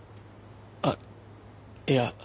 あっいや。